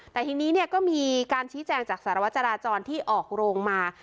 แต่ทีนี้ก็มีการชี้แจงจากสารวจราจรที่ออกโรงมา